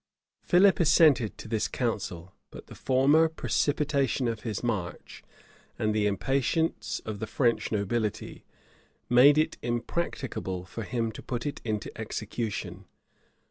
Philip assented to this counsel; but the former precipitation of his march, and the impatience of the French nobility, made it impracticable for him to put it in execution.